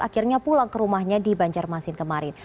akhirnya pulang ke rumahnya di banjarmasin kemarin